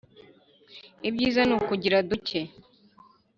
Ibyiza ni ukugira duke